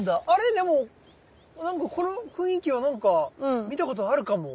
でもこの雰囲気はなんか見たことあるかも。